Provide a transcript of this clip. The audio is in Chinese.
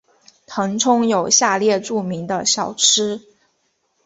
腾冲有下列著名的小吃。